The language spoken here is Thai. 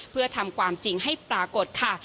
เพื่อทำความจริงให้ปรากฏค่ะ